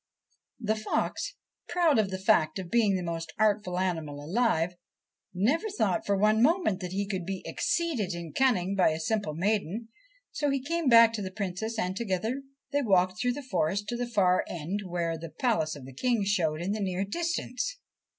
The fox, proud of the fact of being the most artful animal alive, never thought for one moment that he could be exceeded in cunning by a simple maiden, so he came back to the Princess, and together they walked through the forest to the far end where the palace of the King showed in the near distance.